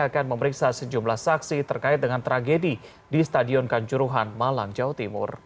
akan memeriksa sejumlah saksi terkait dengan tragedi di stadion kanjuruhan malang jawa timur